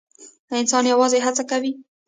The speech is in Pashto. انسان یوازې هڅه کوي